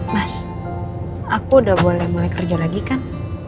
mas aku udah boleh mulai kerja lagi kan